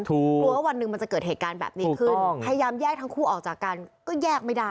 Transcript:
กลัวว่าวันหนึ่งมันจะเกิดเหตุการณ์แบบนี้ขึ้นพยายามแยกทั้งคู่ออกจากกันก็แยกไม่ได้